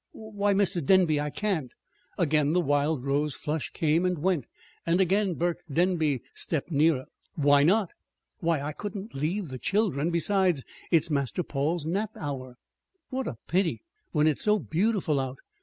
Why, Mr. Denby, I can't!" Again the wild rose flush came and went and again Burke Denby stepped nearer. "Why not?" "Why, I couldn't leave the children; besides it's Master Paul's nap hour." "What a pity when it's so beautiful out!